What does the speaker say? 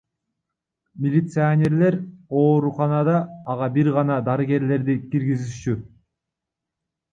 Милиционерлер ооруканада ага бир гана дарыгерлерди киргизишчү.